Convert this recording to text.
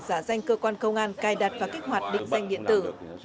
giả danh cơ quan công an cài đặt và kích hoạt định danh điện tử